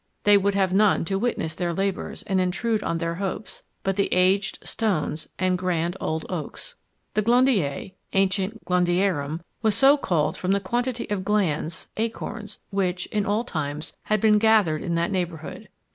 They would have none to witness their labours and intrude on their hopes, but the aged stones and grand old oaks. The Glandier ancient Glandierum was so called from the quantity of glands (acorns) which, in all times, had been gathered in that neighbourhood.